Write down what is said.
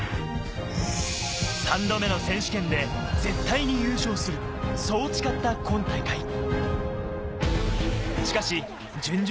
３度目の選手権で絶対に優勝する、そう誓った今大会。